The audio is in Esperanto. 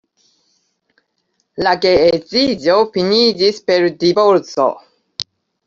La geedziĝo finiĝis per divorco.